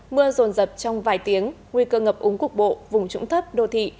mưa rồn rập trong vài tiếng nguy cơ ngập úng cục bộ vùng trũng thấp đô thị